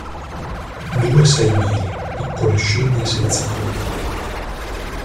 Due saimiri, piccole scimmie senza coda.